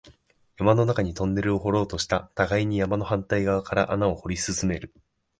山の中にトンネルを掘ろうとした、互いに山の反対側から穴を掘り進める